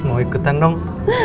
mau ikutan dong